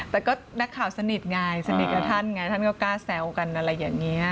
แต่ก็นักข่าวสนิทไงสนิทกับท่านไงท่านก็กล้าแซวกันอะไรอย่างนี้